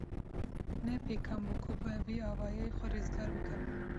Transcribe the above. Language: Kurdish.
Ne pêkan bû ku bi vî awayî xwe rizgar bikin.